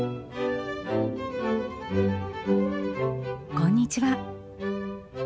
こんにちは。